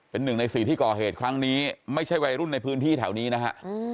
เป็นหนึ่งในสี่ที่ก่อเหตุครั้งนี้ไม่ใช่วัยรุ่นในพื้นที่แถวนี้นะฮะ